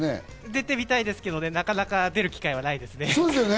出てみたいですけど、なかなか出る機会はないですね。